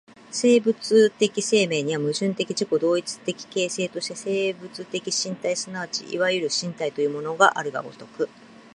生物的生命には、矛盾的自己同一的形成として生物的身体即ちいわゆる身体というものがある如く、